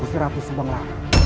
busir ratu sembangla